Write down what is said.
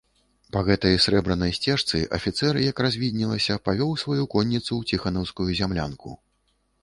Па гэтай срэбранай сцежцы афіцэр, як развіднелася, павёў сваю конніцу ў ціханаўскую зямлянку.